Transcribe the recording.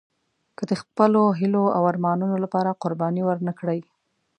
که د خپلو هیلو او ارمانونو لپاره قرباني ورنه کړئ.